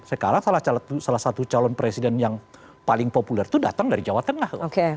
sekarang salah satu calon presiden yang paling populer itu datang dari jawa tengah